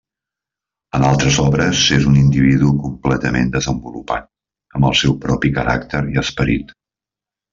En altres obres és un individu completament desenvolupat amb el seu propi caràcter i esperit.